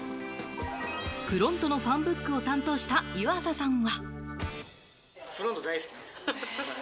ＰＲＯＮＴＯのファンブックを担当した湯浅さんは。